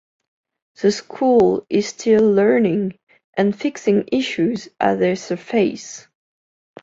The school is still learning, and fixing issues as they surface.